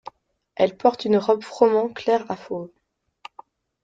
Elle porte une robe froment clair à fauve.